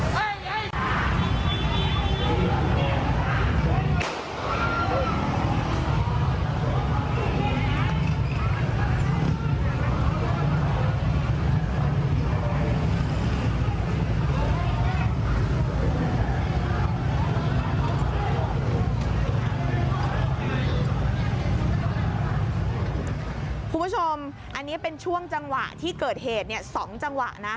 คุณผู้ชมอันนี้เป็นช่วงจังหวะที่เกิดเหตุเนี่ย๒จังหวะนะ